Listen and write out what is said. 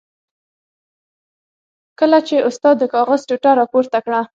کله چې استاد د کاغذ ټوټه را پورته کړه.